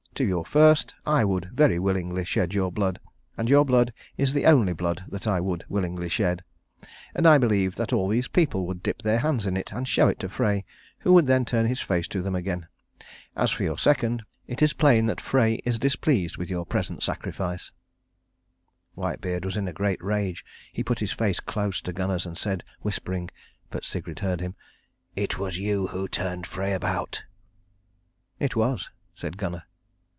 To your first: I would very willingly shed your blood, and your blood is the only blood that I would willingly shed. And I believe that all these people would dip their hands in it and show it to Frey, who would then turn his face to them again. As for your second, it is plain that Frey is displeased with your present sacrifice." Whitebeard was in a great rage. He put his face close to Gunnar's and said whispering (but Sigrid heard him), "It was you who turned Frey about." "It was," said Gunnar.